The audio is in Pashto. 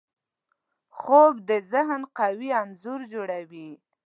خوب د ذهن قوي انځور جوړوي